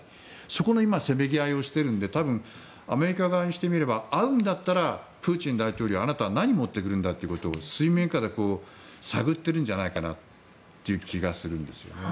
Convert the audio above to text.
そこの今せめぎ合いをしているので多分、アメリカ側にしてみれば会うんだったらプーチン大統領あなたは何を持ってくるんだということを水面下で探っているんじゃないかなという気がするんです。